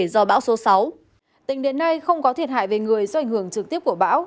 do bão số sáu tính đến nay không có thiệt hại về người do ảnh hưởng trực tiếp của bão